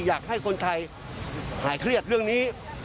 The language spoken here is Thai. อยากให้คนไทยหายเครียดเรื่องนี้